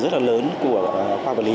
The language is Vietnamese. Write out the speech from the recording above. rất là lớn của khoa quản lý